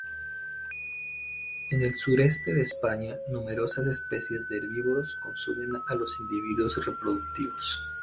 En el sureste de España, numerosas especies de herbívoros consumen a los individuos reproductivos.